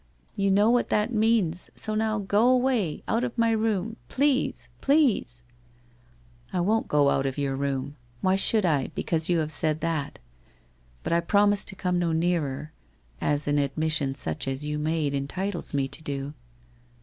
' You know what that means, so now go away, out of my room — please — please !'' I won't go out of your room. Why should I, because you have said that? But I promise to come no nearer, as an admission such as you made entitles me to do.'